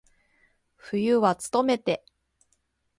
冬はつとめて。